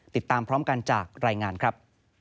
ติดตามพร้อมกันจากรายงานครับ